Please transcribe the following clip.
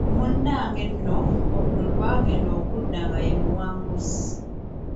Munnange nno, obululu bwagenda okuda nga ye muwanguzi.